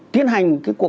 tiến hành cái cuộc